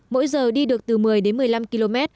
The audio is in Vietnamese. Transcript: mỗi giờ đi được từ một mươi đến một mươi năm km